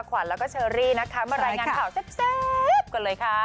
ขวัญแล้วก็เชอรี่นะคะมารายงานข่าวแซ่บกันเลยค่ะ